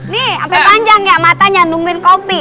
nih sampai panjang ya matanya nungguin kopi